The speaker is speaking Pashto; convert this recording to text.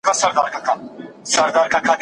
په افغانستان کې مېلمه پالنه یو سپېڅلی اصل دی.